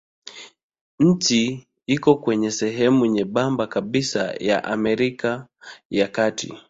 Nchi iko kwenye sehemu nyembamba kabisa ya Amerika ya Kati.